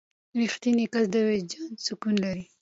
• رښتینی کس د وجدان سکون لري.